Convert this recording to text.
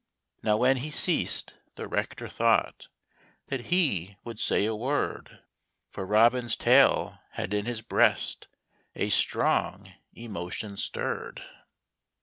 Now, when he ceased, the Rector thought That he would say a word ; For Robin's tale had in his breast A strong emotion stirred.